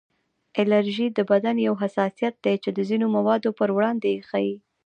الرژي د بدن یو حساسیت دی چې د ځینو موادو پر وړاندې یې ښیي